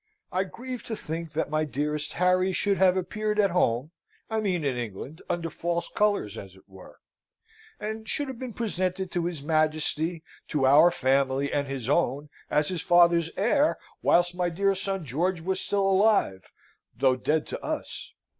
I grieve to think that my dearest Harry should have appeared at home I mean in England under false colours, as it were; and should have been presented to his Majesty, to our family, and his own, as his father's heir, whilst my dear son George was still alive, though dead to us.